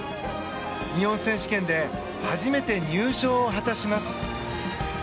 日本選手権で初めて入賞を果たします。